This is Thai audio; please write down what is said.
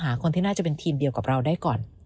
คนที่น่าจะเป็นทีมเดียวกับเราได้ก่อน